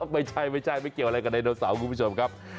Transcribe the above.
ไม่ใช่ไม่ใช่ไม่เกี่ยวอะไรกับไดโนเสาร์คุณผู้ชมครับ